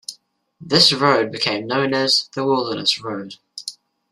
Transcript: This road became known as the Wilderness Road.